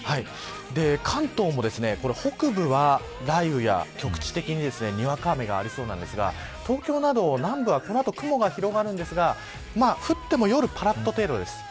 関東も、北部は雷雨や局地的ににわか雨がありそうですが東京など南部はこの後、雲が広がるんですが降っても夜ぱらっと程度です。